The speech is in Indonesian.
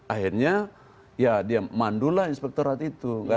akhirnya ya dia mandulah inspektorat itu